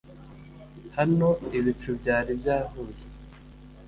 hano ibicu byari byahuye